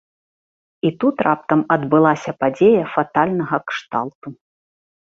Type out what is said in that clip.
І тут раптам адбылася падзея фатальнага кшталту.